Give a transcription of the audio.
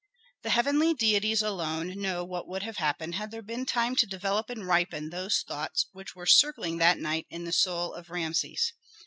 The heavenly deities alone know what would have happened had there been time to develop and ripen those thoughts which were circling that night in the soul of Rameses.